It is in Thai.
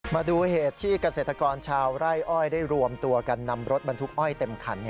มาดูเหตุที่เกษตรกรชาวไร่อ้อยได้รวมตัวกันนำรถบรรทุกอ้อยเต็มคัน